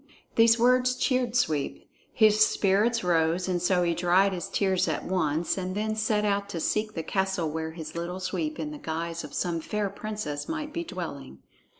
These words cheered Sweep. His spirits rose, and so he dried his tears at once and then set out to seek the castle where his Little Sweep in the guise of some fair princess might be dwelling.